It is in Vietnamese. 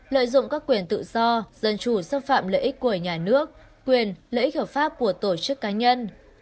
lợi dụng các quyền tự do dân chủ xâm phạm lợi ích của nhà nước quyền lợi ích hợp pháp của tổ chức cá nhân